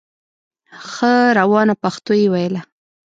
ښه روانه پښتو یې ویله